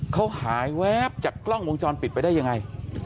เขาหายแวบจากกล้องวงจรปิดไปได้ยังไง